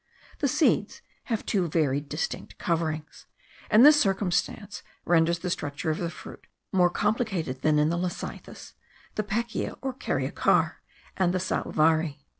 The seeds have two very distinct coverings, and this circumstance renders the structure of the fruit more complicated than in the lecythis, the pekea or caryocar, and the saouvari.